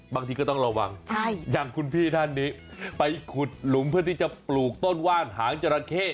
บางทีก็ต้องระวังอย่างคุณพี่ท่านนี้ไปขุดหลุมเพื่อที่จะปลูกต้นว่านหางจราเข้